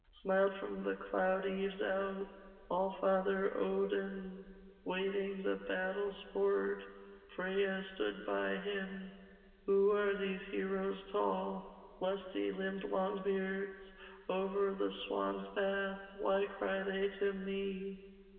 Smiled from the cloud eaves out Allfather Odin, Waiting the battle sport: Freya stood by him. 'Who are these heroes tall Lusty limbed Longbeards? Over the swans' bath Why cry they to me?